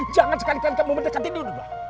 jangan sekali kali kamu mendekati dia dula